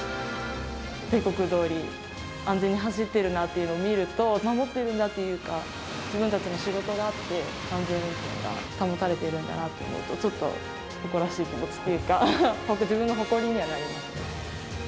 定刻どおり、安全に走ってるなっていうのを見ると、守っているんだというか、自分たちの仕事があって、安全運転が保たれているんだなと思うと、ちょっと誇らしい気持ちというか、本当、自分の誇りにはなります。